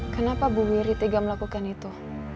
kenapa bu wiri tega melakukan itu